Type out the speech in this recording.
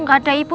tidak ada ibu